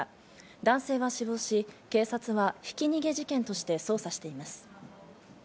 男性は死亡し、警察はひき逃げ事件として捜査しています。